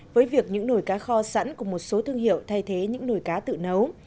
với việc những nồi cá kho sẵn cùng một số thương hiệu thay thế những nồi cá tự nấu